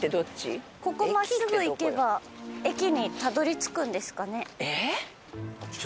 ここ真っすぐ行けば駅にたどり着くんですかね？